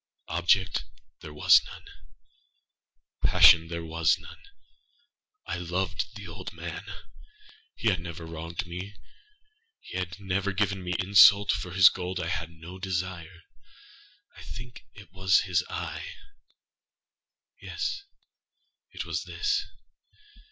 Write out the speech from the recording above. Object there was none. Passion there was none. I loved the old man. He had never wronged me. He had never given me insult. For his gold I had no desire. I think it was his eye! yes, it was this!